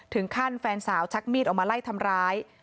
แฟนสาวชักมีดออกมาไล่ทำร้าย